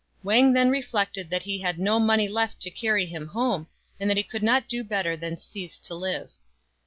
Wang then reflected that he had no money left to carry him home, and that he could not do better than cease to live.